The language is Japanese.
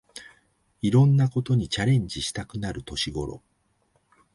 いろんなことにチャレンジしたくなる年ごろ